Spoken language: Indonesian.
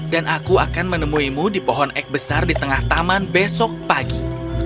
dan aku akan menemuimu di pohon ek besar di tengah taman besok pagi